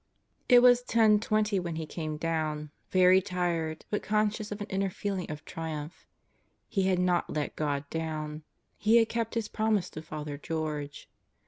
It was 10:20 when he came down very tired, but conscious of an inner feeling of triumph. He had not let God down. He had kept his promise to Father George.